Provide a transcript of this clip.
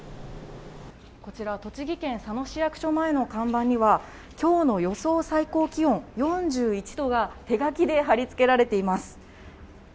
こちら、栃木県佐野市役所前の看板には、きょうの予想最高気温４１度が手書きで貼り付けられています。